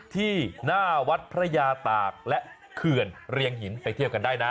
ที่หน้าวัดพระยาตากและเขื่อนเรียงหินไปเที่ยวกันได้นะ